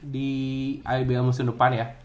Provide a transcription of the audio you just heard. di ibl musim depan ya